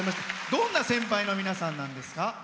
どんな先輩の皆さんなんですか？